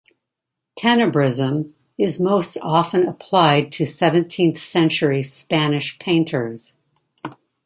Tenebrism is most often applied to seventeenth-century Spanish painters.